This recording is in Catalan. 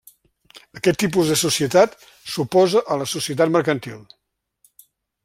Aquest tipus de societat s'oposa a la societat mercantil.